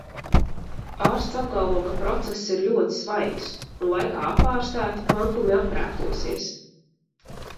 Ārsts apgalvo, ka process ir ļoti svaigs, un, laikā apārstēti, plankumi aprētosies.